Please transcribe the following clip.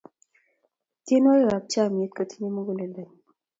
tenwokik ap chamyet kotinyei mukuleldo nyuu